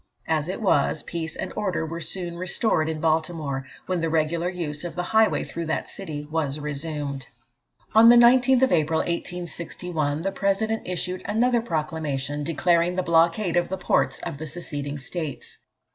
As it was, peace and order were soon restored in Baltimore, when the regular use of the highway through that city was resumed. On the 19th April, 1861, the President issued another proclamation, declaring the blockade of the ports of the seceding states.